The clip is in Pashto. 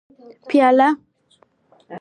پايله